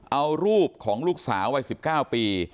เอารูปของลูกสาววัย๑๙ปี